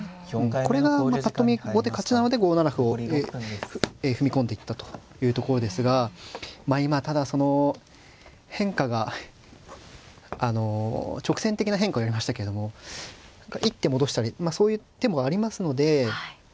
これがぱっと見後手勝ちなので５七歩を踏み込んでいったというところですが今ただその変化があの直線的な変化をやりましたけれども一手戻したりそういう手もありますのでまあ